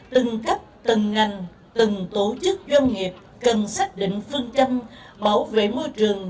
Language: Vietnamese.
từng cấp từng ngành từng tổ chức doanh nghiệp cần xác định phương châm bảo vệ môi trường